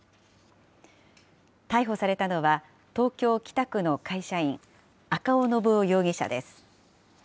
逮捕されたのは、東京・北区の会社員、赤尾信雄容疑者です。